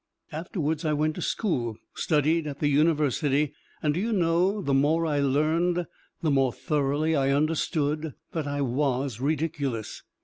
Afterwards I went to school, studied at the university, and, do you know, the more I learned, the more thoroughly I understood that I was ridiculous.